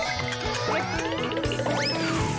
มันติด